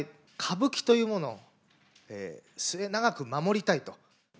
歌舞伎というものを末永く守りたいと。